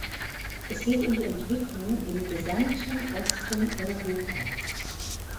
Es geht um die Entwicklung im gesamten Osten Europas.